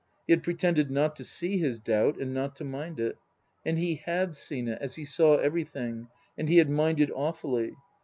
He had pretended not to see his doubt and not to mind it. And he had seen it, as he saw everything, and he had minded awfully.